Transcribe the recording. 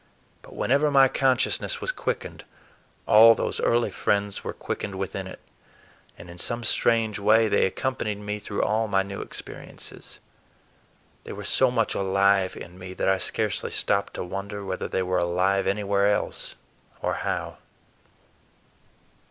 But whenever my consciousness was quickened, all those early friends were quickened within it, and in some strange way they accompanied me through all my new experiences. They were so much alive in me that I scarcely stopped to wonder whether they were alive anywhere else, or how.